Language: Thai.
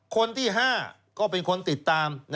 คนที่๕ก็เป็นคนติดตาม